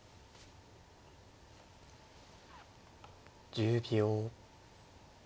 １０秒。